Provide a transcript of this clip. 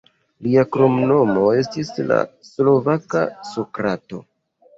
Lia kromnomo estis "la slovaka Sokrato".